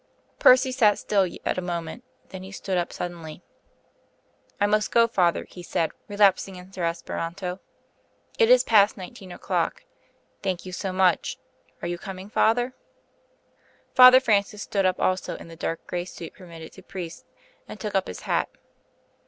Percy sat still yet a moment; then he stood up suddenly. "I must go, sir," he said, relapsing into Esperanto. "It is past nineteen o'clock. Thank you so much. Are you coming, father?" Father Francis stood up also, in the dark grey suit permitted to priests, and took up his hat.